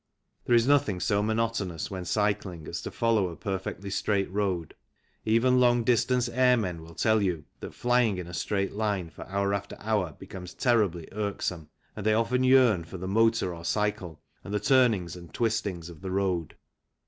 There is nothing so monotonous when cycling as to follow a perfectly straight road. Even long distance airmen will tell you that flying in a straight line for hour after hour becomes terribly irksome, and they often yearn for the motor or cycle and the turnings and twistings of the road.